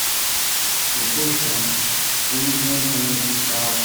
"Przypuszczam, że nic więcej nie zostało."